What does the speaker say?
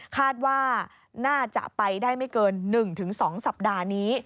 คาดว่าน่าจะไปได้ไม่เกิน๑๒สัปดาห์นี้